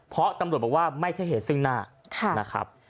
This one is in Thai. เพราะตำรวจบอกว่าไม่ใช่เหตุซึ่งหน้านะครับ